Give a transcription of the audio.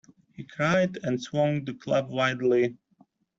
He cried, and swung the club wildly.